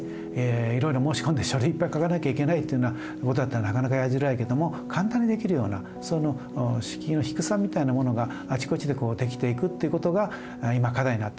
いろいろ申し込んで書類いっぱい書かなきゃいけないっていうようなことだったらなかなかやりづらいけども簡単にできるようなその敷居の低さみたいなものがあちこちでこう出来ていくっていうことが今課題になってます。